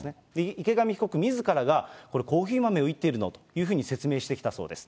池上被告みずからが、これ、コーヒー豆をいっているのと説明してきたそうです。